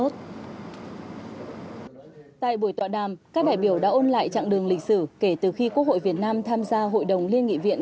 tại buổi tọa đàm các đại biểu đã ôn lại chặng đường lịch sử kể từ khi quốc hội việt nam tham gia hội đồng liên nghị viện